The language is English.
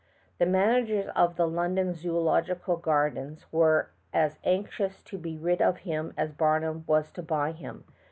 The managers of the London Zoological Gar dens were as anxious to be rid of him as Mr. Barnum was to buy him.